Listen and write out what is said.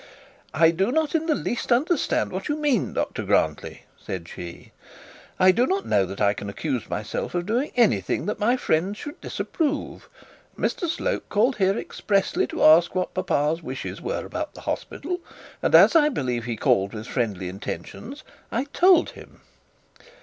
'I do not in the least understand what you mean, Dr Grantly,' said she. 'I do not know that I can accuse myself of doing anything that my friends should disapprove. Mr Slope called here expressly to ask what papa's views were about the hospital; and as I believe he called with friendly intentions I told him.'